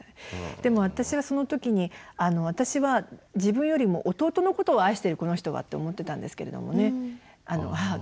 でも私はその時に私は「自分よりも弟のことを愛してるこの人は」って思ってたんですけれどもね母が。